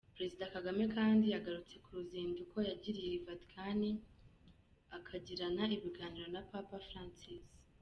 Perezida Kagame kandi yagarutse ku ruzinduko yagiriye i Vatican, akagirana ibiganiro na Papa Francis.